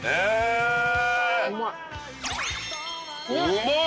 うまい！